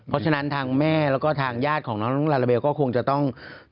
เพราะฉะนั้นทางแม่แล้วก็ทางญาติของน้องลาลาเบลก็คงจะต้อง